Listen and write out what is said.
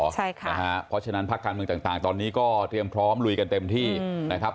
เพราะฉะนั้นพักการเมืองต่างตอนนี้ก็เตรียมพร้อมลุยกันเต็มที่นะครับ